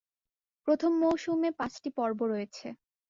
প্রথম মৌসুমে পাঁচটি পর্ব রয়েছে।